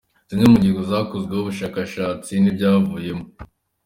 Zimwe mu ngingo zakozweho ubushakashatsi n’ibyavuyemo.